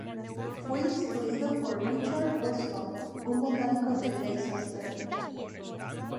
Fue instruido por Richard Weston, un botánico de Leicester.